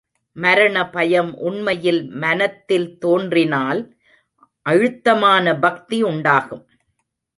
மரண பயம் உண்மையில் மனத்தில் தோன்றினால் அழுத்தமான பக்தி உண்டாகும்.